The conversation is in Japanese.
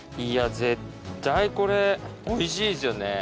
絶対これおいしいですよね。